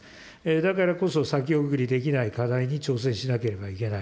だからこそ先送りできない課題に挑戦しなければいけない。